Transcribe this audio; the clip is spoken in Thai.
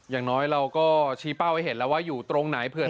อย่างน้อยเราก็ชี้เป้าให้เห็นแล้วว่าอยู่ตรงไหนเผื่อ